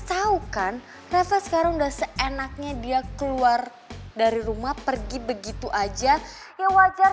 tahu kan reva sekarang udah seenaknya dia keluar dari rumah pergi begitu aja ya wajar